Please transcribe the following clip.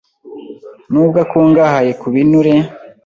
Nubwo akungahaye ku binure